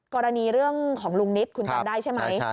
กรณีเรื่องของลุงนิดคุณจำได้ใช่ไหม